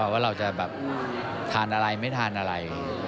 ว่าเราจะแบบทานอะไรไม่ทานอะไร